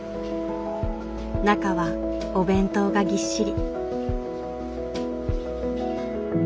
中はお弁当がぎっしり。